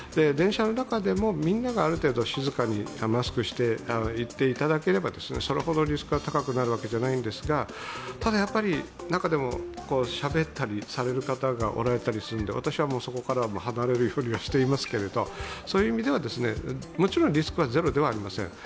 電車の中でもみんながある程度静かにマスクしていただければ、それほどリスクは高くなるわけではないんですがただやっぱり、中でもしゃべったりされる方がおられたりするんで私はもうそこから離れるようにはしていますけれども、もちろんリスクはゼロではありません。